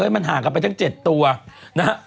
มันห่างกันไปทั้ง๗ตัวนะฮะ